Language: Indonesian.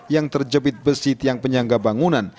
yang terjepit besi tiang penyangga bangunan